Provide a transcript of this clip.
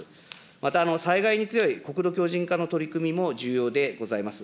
また、災害に強い国土強じん化の取り組みも重要でございます。